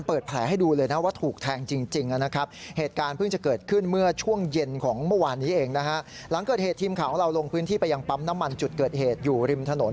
พี่ไปยังปั๊มน้ำมันจุดเกิดเหตุอยู่ริมถนน